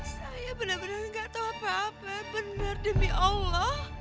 saya bener bener ga tau apa apa bener demi allah